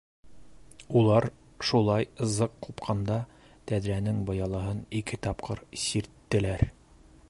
Улар шулай зыҡ ҡупҡанда тәҙрәнең быялаһын ике тапҡыр сирттеләр.